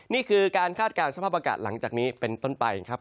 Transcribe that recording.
นี่คือการคาดการณ์สภาพอากาศหลังจากนี้เป็นต้นไปครับ